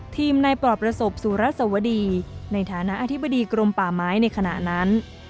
ในปลอบประสบสุรสวดีในฐานะอธิบดีกรมป่าไม้ในขณะนั้น